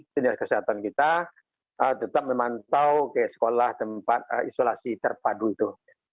tenaga kesehatan kita tetap memantau ke sekolah tempat isolasi terpadu itu